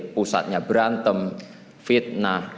pusatnya berantem fitnah